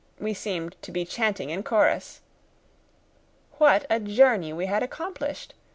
We seemed to be chanting in chorus! What a journey we had accomplished!